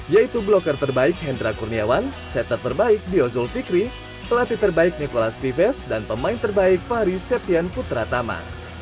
yaitu bloker terbaik hendra kurniawan setter terbaik diozul fikri pelatih terbaik nicolas vives dan pemain terbaik fahri septian putratama